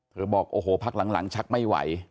บอกโอ้โหพักหลังชักไม่ไหว